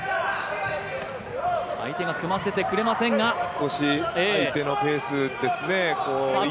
少し相手のペースですね。